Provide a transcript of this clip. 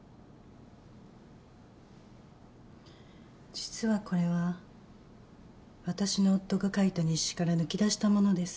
実はこれは私の夫が書いた日誌から抜き出したものです。